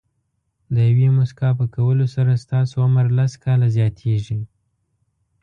د یوې موسکا په کولو سره ستاسو عمر لس کاله زیاتېږي.